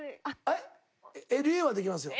ＬＡはできますよ。